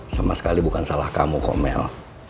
sama sekali bukan salah kamu komel